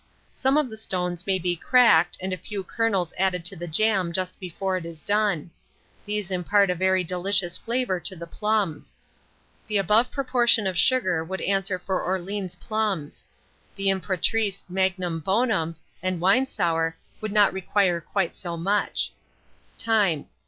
Some of the stones may be cracked, and a few kernels added to the jam just before it is done: these impart a very delicious flavour to the plums. The above proportion of sugar would answer for Orleans plums; the Impératrice Magnum bonum, and Winesour would not require quite so much. Time.